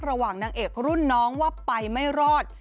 นางเอกรุ่นน้องว่าไปไม่รอด